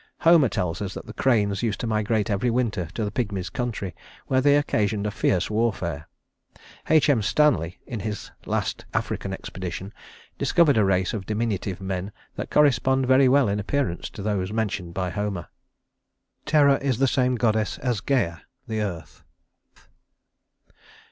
Homer tells us that the cranes used to migrate every winter to the Pygmies' country, where they occasioned a fierce warfare. H. M. Stanley, in his last African expedition, discovered a race of diminutive men that correspond very well in appearance to those mentioned by Homer. Terra is the same goddess as Gæa (the Earth).